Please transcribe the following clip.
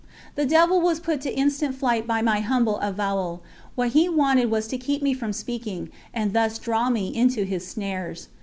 The devil was put to instant flight by my humble avowal; what he wanted was to keep me from speaking, and thus draw me into his snares.